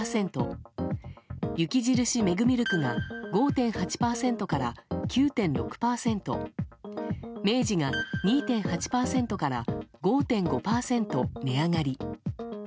雪印メグミルクが５．８％から９．６％明治が２．８％から５．５％値上がり。